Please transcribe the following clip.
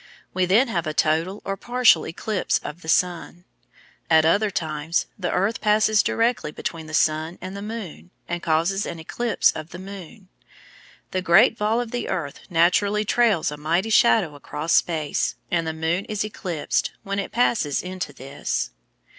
We then have a total or partial eclipse of the sun. At other times the earth passes directly between the sun and the moon, and causes an eclipse of the moon. The great ball of the earth naturally trails a mighty shadow across space, and the moon is "eclipsed" when it passes into this.